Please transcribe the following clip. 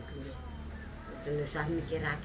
kita berusaha mikir banyak banyak